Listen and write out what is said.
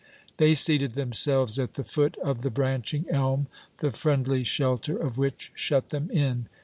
They seated themselves at the foot of the branching elm, the friendly shelter of which shut them in.